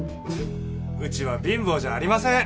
うちは貧乏じゃありません。